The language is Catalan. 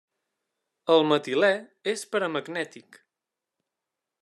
El metilè és paramagnètic.